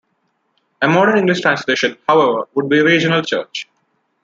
A modern English translation, however, would be "regional church".